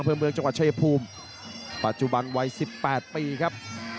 ปัจจุบันวัย๑๘ปีครับ